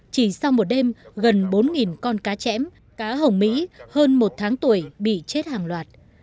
chỉ sau một đêm gần bốn con cá chẽm cá hồng mỹ hơn một tháng tuổi bị chết hàng loạt